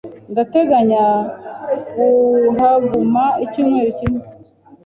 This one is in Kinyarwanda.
Ndateganya kuhaguma icyumweru kimwe.